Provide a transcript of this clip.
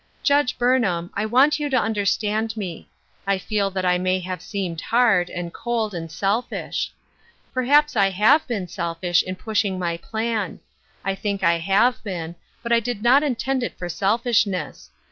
"Judge Burnham, I want you to understand me ; I feel that I may have seemed hard, and cold, and selfish. Perhaps I have been selfish in pushing my plan ; I think I have been, but I did not intend it for selfishness.